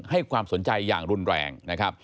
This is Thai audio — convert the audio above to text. ให้ความสนใจอย่างรุนแรง